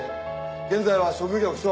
現在は職業不詳。